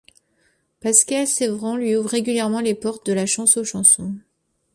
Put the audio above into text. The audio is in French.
Pascal Sevran lui ouvre régulièrement les portes de La Chance aux chansons.